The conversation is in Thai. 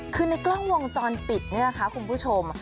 คือในกล้องวงจรปิดนี่นะคะคุณผู้ชม